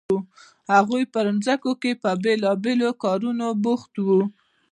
هغوی په ځمکو کې په بیلابیلو کارونو بوخت وو.